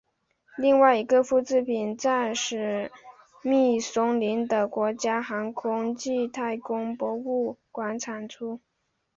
另外一个复制品在史密松森的国家航空暨太空博物馆展出。